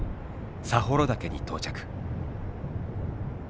佐幌岳に到着。